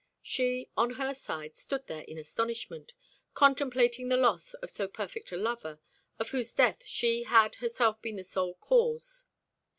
She, on her side, stood there in astonishment, contemplating the loss of so perfect a lover, of whose death she had herself been the sole cause.